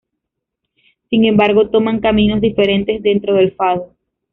Sin embargo, toman caminos diferentes dentro del fado.